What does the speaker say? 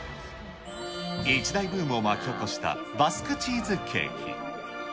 一大ブームを巻き起こしたバスクチーズケーキ。